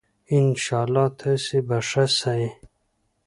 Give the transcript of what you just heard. ان شاءاللّه تاسي به ښه سئ